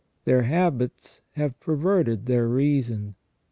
Their habits have perverted their reason.